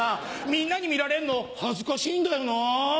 みんなに見られるの恥ずかしいんだよな。